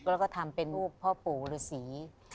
แล้วก็ทำเป็นพ่อปู่หรือศรี